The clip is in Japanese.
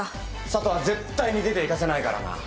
佐都は絶対に出て行かせないからな。